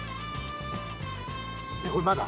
これまだ？